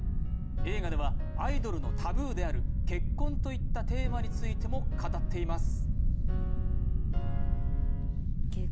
映画では、アイドルのタブーである結婚といったテーマについても語っています。